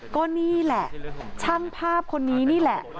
ก็นี่แหละช่างภาพคนนี้นี่แหละ